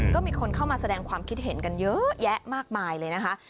ก็มีคนเข้ามาแสดงความคิดเห็นกันเยอะแยะมากมายเลยนะคะ